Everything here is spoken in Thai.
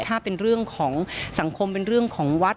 ถ้าเป็นเรื่องของสังคมเป็นเรื่องของวัด